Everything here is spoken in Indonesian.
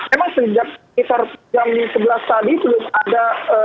emang sejak sekitar jam sebelas tadi belum ada